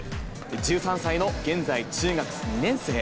１３歳の現在中学２年生。